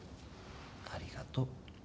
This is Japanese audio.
ありがとう。